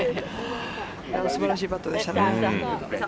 素晴らしいパットでしたね。